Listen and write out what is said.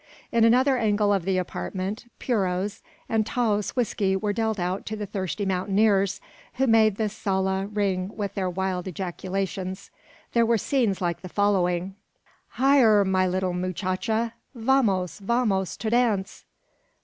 In another angle of the apartment, puros, and Taos whisky were dealt out to the thirsty mountaineers, who made the sala ring with their wild ejaculations. There were scenes like the following: "Hyar, my little muchacha! vamos, vamos, ter dance!